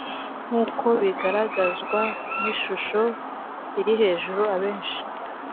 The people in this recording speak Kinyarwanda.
nkuko bigaragazwa n ishusho iri hejuru abenshi